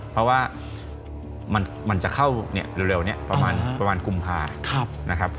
เพราะว่ามันจะเข้าเร็วนี้ประมาณกุมภานะครับ